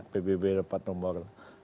pbb dapat nomor sembilan belas